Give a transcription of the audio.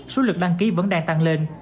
số lượt đăng ký vẫn đang tăng lên